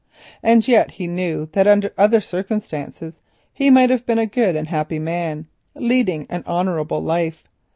And yet he knew that under other circumstances he might have been a good and happy man—leading an honourable life.